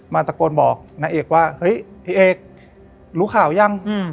ตะโกนบอกนางเอกว่าเฮ้ยพี่เอกรู้ข่าวยัง